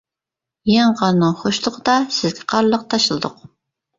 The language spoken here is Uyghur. يېڭى قارنىڭ خۇشلۇقىدا، سىزگە قارلىق تاشلىدۇق.